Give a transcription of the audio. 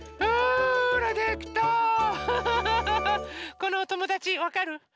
このおともだちわかる？